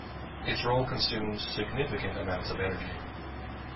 Its role consumes significant amounts of energy.